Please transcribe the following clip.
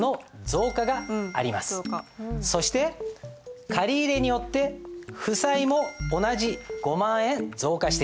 そして借り入れによって負債も同じ５万円増加している。